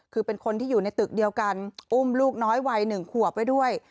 คือเป็นคนที่อยู่ในตึกเดียวกันอุ้มลูกน้อยวัย๑ขวบไว้ด้วย